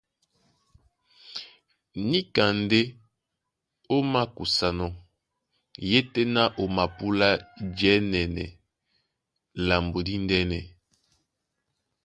Níka ndé ó makusanɔ́, yétɛ̄ná o mapúlá jɛ́nɛnɛ lambo díndɛ̄nɛ.